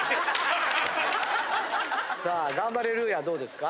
さあガンバレルーヤはどうですか？